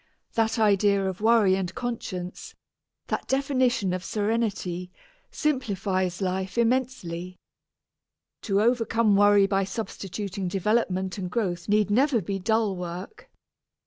That idea of worry and conscience, that definition of serenity, simplifies life immensely. To overcome worry by substituting development and growth need never be dull work.